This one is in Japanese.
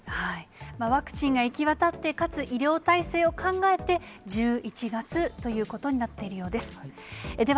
ワクチンが行き渡って、かつ医療体制を考えて、１１月ということになっているようです。